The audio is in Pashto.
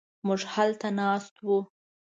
موږ همدلته ناست و.